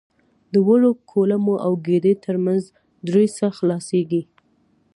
د وړو کولمو او ګیدې تر منځ دریڅه خلاصه کېږي.